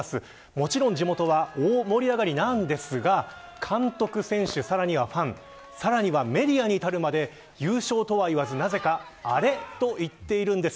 もちろん地元は大盛り上がりなんですが監督、選手、さらにはファンさらにはメディアに至るまで優勝とは言わずなぜかアレと言っているんです。